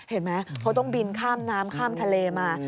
เห็นไหมเขาต้องบินข้ามน้ำข้ามทะเลมา